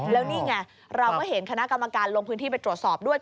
แล้วนี่ไงเราก็เห็นคณะกรรมการลงพื้นที่ไปตรวจสอบด้วย